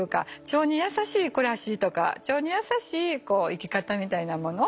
腸に優しい暮らしとか腸に優しいこう生き方みたいなもの